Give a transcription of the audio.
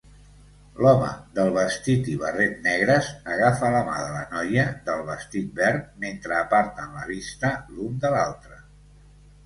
L'home del vestit i barret negres agafa la mà de la noia del vestit verd mentre aparten la vista l'un de l'altre